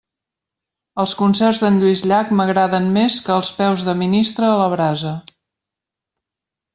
Els concerts d'en Lluís Llach m'agraden més que els peus de ministre a la brasa.